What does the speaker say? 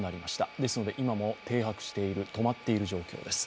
ですので、今も停泊している、泊まっている状態です。